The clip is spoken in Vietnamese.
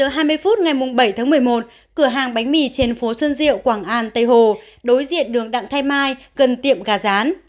hai mươi phút ngày bảy tháng một mươi một cửa hàng bánh mì trên phố xuân diệu quảng an tây hồ đối diện đường đặng thái mai gần tiệm gà rán